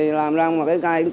thì làm ra một cái cây cao đó kìa